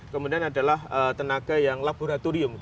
kemudian adalah tenaga yang laboratorium